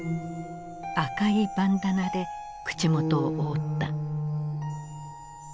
赤いバンダナで口元を覆った。